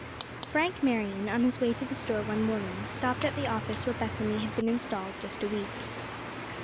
FRANK Marion, on his way to the store one morning, stopped at the office where Bethany had been installed just a week.